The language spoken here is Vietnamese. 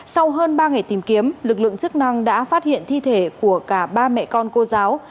sau hơn ba ngày tìm kiếm lực lượng chức năng đã phát hiện thi thể của cả ba mẹ con cô giáo